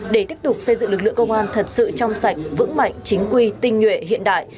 để tiếp tục xây dựng lực lượng công an thật sự trong sạch vững mạnh chính quy tinh nhuệ hiện đại